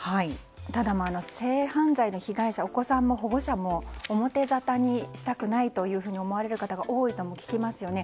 ただ、性犯罪の被害者お子さんも保護者も表ざたにしたくないと思われる方も多いとも聞きますよね。